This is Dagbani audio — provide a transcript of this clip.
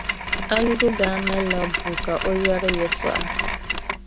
Alidu daa malila bua ka o yɛri yɛltɔɣa